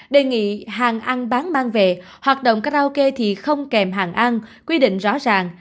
đề nghị hàng ăn bán mang về hoạt động karaoke thì không kèm hàng ăn quy định rõ ràng